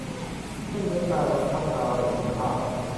มุ่งเน้นการพัฒนาระบบคุณภาพ